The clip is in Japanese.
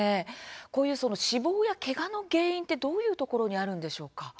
こういう死亡やけがの原因ってどういうところにあるんでしょうか。